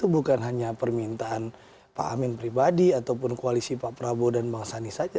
bukan hanya permintaan pak amin pribadi ataupun koalisi pak prabowo dan bang sandi saja